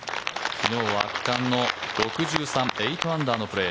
昨日は圧巻の６３８アンダーのプレー。